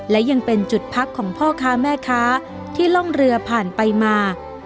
และยังเป็นจุดพักของพ่อค้าแม่ค้าที่ล่องเรือผ่านไปมา